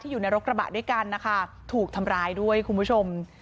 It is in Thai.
อยู่ในรถกระบะด้วยกันนะคะถูกทำร้ายด้วยคุณผู้ชม